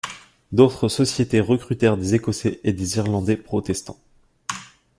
D’autres sociétés recrutèrent des Écossais et des Irlandais protestants.